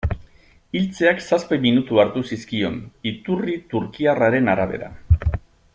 Hiltzeak zazpi minutu hartu zizkion, iturri turkiarraren arabera.